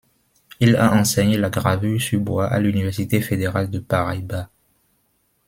Il a enseigné la gravure sur bois à l'Université fédérale de Paraíba.